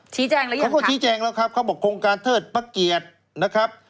ชี้แจงหรือยังเขาก็ชี้แจงแล้วครับเขาบอกโครงการเทิดพระเกียรตินะครับ